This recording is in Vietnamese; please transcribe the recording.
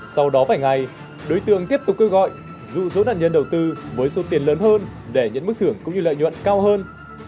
sau đó vài ngày đối tượng tiếp tục kêu gọi rủ dỗ nạn nhân đầu tư với số tiền lớn hơn để nhận mức thưởng cũng như lợi nhuận cao hơn